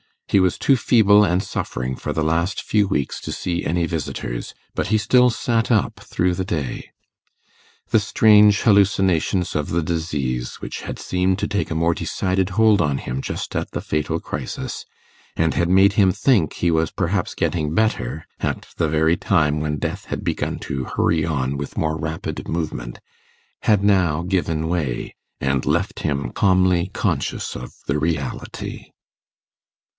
He was too feeble and suffering for the last few weeks to see any visitors, but he still sat up through the day. The strange hallucinations of the disease which had seemed to take a more decided hold on him just at the fatal crisis, and had made him think he was perhaps getting better at the very time when death had begun to hurry on with more rapid movement, had now given way, and left him calmly conscious of the reality.